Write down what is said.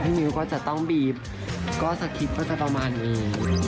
มิ้วก็จะต้องบีบก็สคริปต์ก็จะประมาณนี้